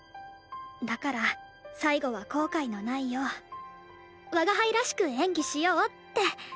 だから最後は後悔のないよう我が輩らしく演技しようって。